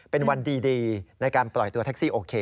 เป็นวันดีในการปล่อยตัวแท็กซี่โอเค